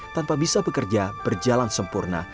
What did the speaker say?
tanpa bisa bekerja berjalan sempurna